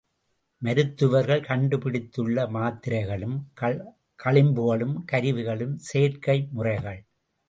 மருத்துவர்கள் கண்டுபிடித்துள்ள மாத்திரைகளும் களிம்புகளும் கருவிகளும் செயற்கை முறைகள்.